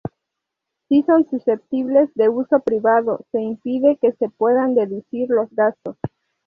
Si son susceptibles de uso privado se impide que se puedan deducir los gastos.